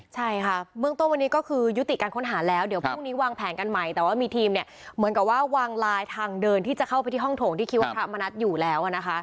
ใช่ค่ะเบื้องต้นวันนี้ก็คือยุติการค้นหาแล้วเดี๋ยวพรุ่งนี้วางแผนกันใหม่แต่ว่ามีทีมเนี่ยเหมือนกับว่าวางลายทางเดินที่จะเข้าไปที่ห้องโถงที่คิดว่าพระมณัฐอยู่แล้วนะคะ